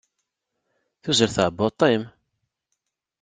Tuzzel tɛebbuḍt-im?